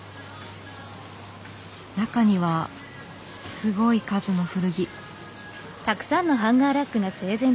中にはすごい数の古着。